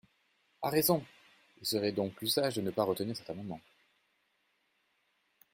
À raison ! Il serait donc plus sage de ne pas retenir cet amendement.